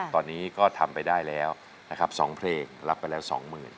ตอนนี้ก็ทำไปได้แล้วนะครับ๒เพลงรับไปแล้ว๒๐๐๐